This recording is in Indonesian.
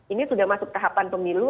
ini sudah masuk tahapan pemilu